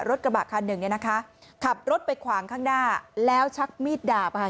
รถกระบะคันหนึ่งเนี่ยนะคะขับรถไปขวางข้างหน้าแล้วชักมีดดาบค่ะ